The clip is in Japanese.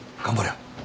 頑張れよ。